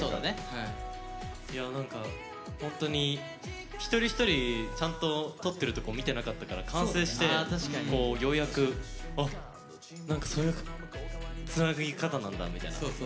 いやなんか本当に一人一人ちゃんと撮ってるとこ見てなかったから完成してようやくなんかそういうつなぎ方なんだみたいな。